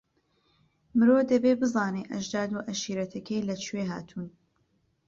مرۆ دەبێ بزانێ ئەژداد و عەشیرەتەکەی لەکوێ هاتوون.